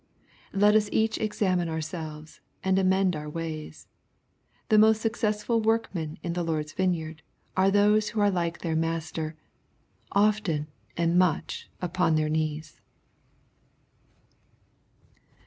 Let us each examine ourselves, and amend our ways. The mos t suc cessful workmen in the Lord's vineyard, are those who are like their Master, often and much upon their knees.